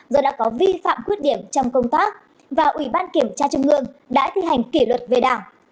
do đã có vi phạm khuyết điểm trong công tác và ủy ban kiểm tra trung ương đã thi hành kỷ luật về đảng